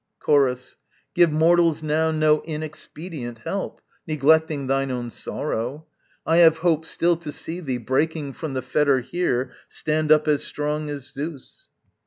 Chorus. Give mortals now no inexpedient help, Neglecting thine own sorrow. I have hope still To see thee, breaking from the fetter here, Stand up as strong as Zeus.